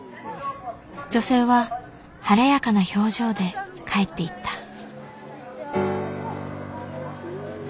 女性は晴れやかな表情で帰っていった。